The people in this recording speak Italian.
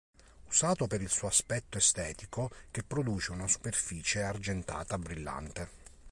Usato per il suo aspetto estetico che produce una superficie argentata brillante.